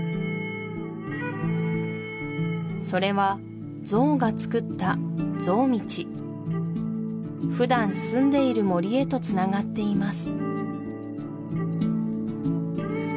それはゾウがつくったゾウ道普段すんでいる森へとつながっています